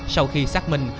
sau khi xác minh